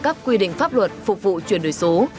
các quy định pháp luật phục vụ chuyển đổi số